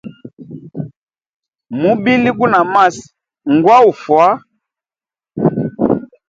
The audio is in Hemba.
Mubili guna masi ngwa ufwa.